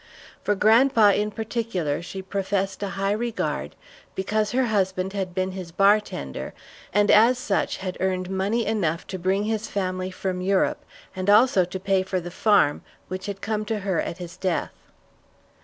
For grandpa in particular she professed a high regard, because her husband had been his bartender, and as such had earned money enough to bring his family from Europe, and also to pay for the farm which had come to her at his death.